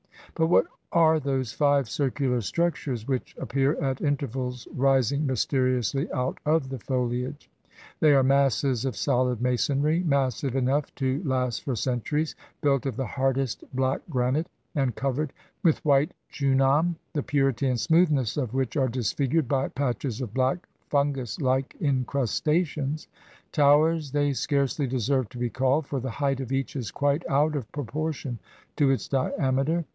But what are those five circular structures which ap pear at intervals rising mysteriously out of the foliage? They are masses of soUd masonry, massive enough to last for centuries, built of the hardest black granite, and covered with white chunam, the purity and smoothness of which are disfigured by patches of black fungus hke incrustations. Towers they scarcely deserve to be called; for the height of each is quite out of proportion to its diameter.